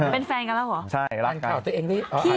เป็นแฟนกันแล้วเหรอ